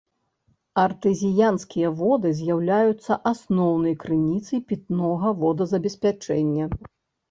Артэзіянскія воды з'яўляюцца асноўнай крыніцай пітнога водазабеспячэння.